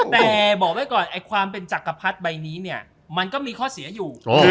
แต่บอกไว้ก่อนไอ้ความเป็นจักรพรรดิใบนี้เนี่ยมันก็มีข้อเสียอยู่